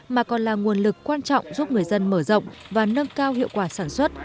mà còn là nguồn lực quan trọng giúp người dân mở rộng và nâng cao hiệu quả sản xuất